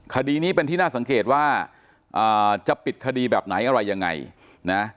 คดีนี้เป็นที่น่าสังเกตว่าจะปิดคดีแบบไหนอะไรยังไงนะ